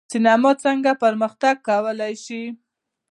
سینما څنګه پرمختګ کولی شي؟